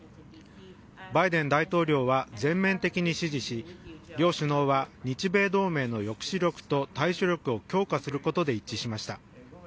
バイデン大統領は全面的に支持し両首脳は日米同盟の抑止力と対処力を強化することで一致しました。